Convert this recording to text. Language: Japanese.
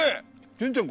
潤ちゃん